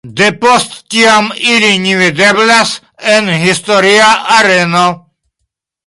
De post tiam ili ne videblas en historia areno.